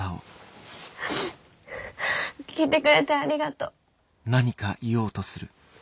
・聞いてくれてありがとう。